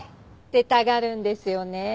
出たがるんですよねえ。